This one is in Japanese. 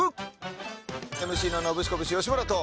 ＭＣのノブシコブシ吉村と。